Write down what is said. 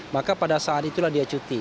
maka pada saat itulah dia cuti